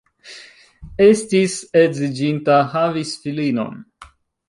Estis edziĝinta, havis filinon.